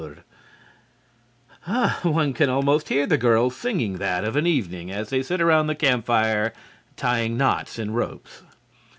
_" One can almost hear the girls singing that of an evening as they sit around the campfire tying knots in ropes.